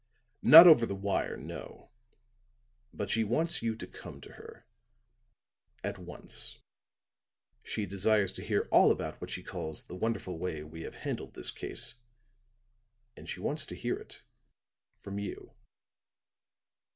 "Not over the wire no. But she wants you to come to her at once. She desires to hear all about what she calls the wonderful way we have handled this case, and she wants to hear it from you."